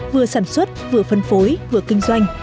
vừa sản xuất vừa phân phối vừa kinh doanh